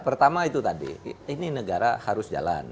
pertama itu tadi ini negara harus jalan